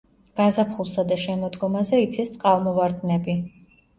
გაზაფხულსა და შემოდგომაზე იცის წყალმოვარდნები.